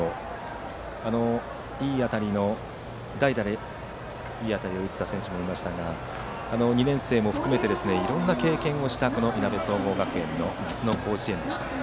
３年生以外の選手も代打でいい当たりを打った選手もいましたが２年生も含めいろんな経験をしたいなべ総合学園の夏の甲子園でした。